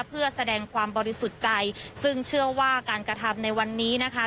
เพื่อแสดงความบริสุทธิ์ใจซึ่งเชื่อว่าการกระทำในวันนี้นะคะ